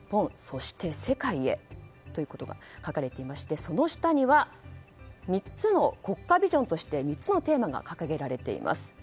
そして世界へということが書かれていましてその下には国家ビジョンとして３つのテーマが掲げられています。